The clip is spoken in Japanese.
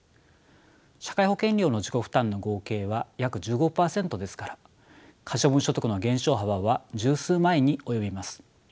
社会保険料の自己負担の合計は約１５％ですから可処分所得の減少幅は十数万円に及びます。